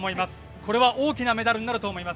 これは大きなメダルになると思います。